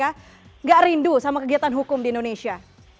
tidak rindu sama kegiatan hukum di indonesia